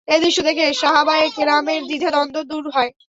এ দৃশ্য দেখে সাহাবায়ে কেরামের দ্বিধা-দ্বন্দ্ব দূর হয়।